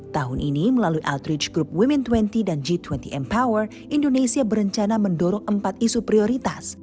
tahun ini melalui outreach group women dua puluh dan g dua puluh empower indonesia berencana mendorong empat isu prioritas